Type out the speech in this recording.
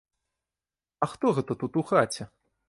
А хто гэта тут у хаце?